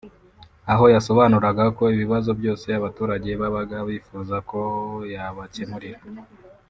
aho yasobanuraga ko ibibazo byose abaturage babaga bifuza ko yabacyemurira